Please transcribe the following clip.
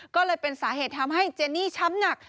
ก็เลยเป็นสาเหตุทำให้เจนี่ช้ำหนัก